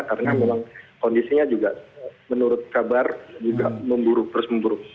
karena memang kondisinya juga menurut kabar juga memburuk terus memburuk